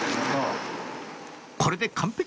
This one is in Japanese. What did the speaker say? これで完璧！